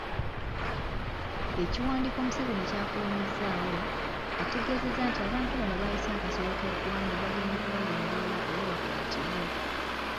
Ekiwandiiko Museveni ky’afulumizzaawo, ategeezezza nti abantu bano baayise "akasolo ke ggwanga" bagenda kubalondoola era bakwatibwe.